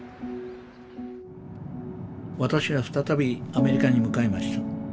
私は再びアメリカに向かいました。